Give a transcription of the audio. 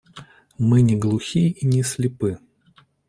Мы не глухи и не слепы.